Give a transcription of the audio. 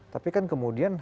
tapi kan kemudian